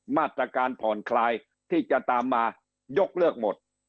มาตรการผ่อนคลายที่จะตามมายกเลิกหมด